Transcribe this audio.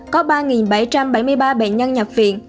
có ba bảy trăm bảy mươi ba bệnh nhân nhập viện